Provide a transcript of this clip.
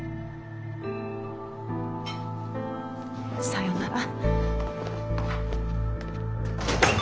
さようなら。